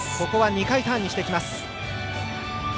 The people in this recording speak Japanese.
２回ターンにしてきます。